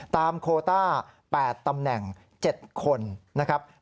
โคต้า๘ตำแหน่ง๗คนนะครับ